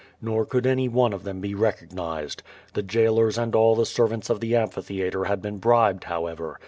Nor could any one of them be recognized. The jailors and all the servants of the amphitheatre had been bribed, however.